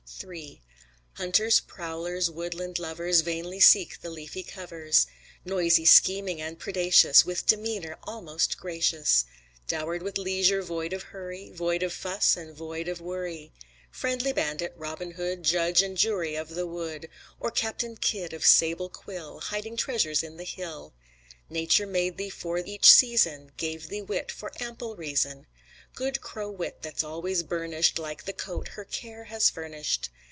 III Hunters, prowlers, woodland lovers Vainly seek the leafy covers. Noisy, scheming, and predacious, With demeanor almost gracious, Dowered with leisure, void of hurry, Void of fuss and void of worry, Friendly bandit, Robin Hood, Judge and jury of the wood, Or Captain Kidd of sable quill, Hiding treasures in the hill, Nature made thee for each season, Gave thee wit for ample reason, Good crow wit that's always burnished Like the coat her care has furnished.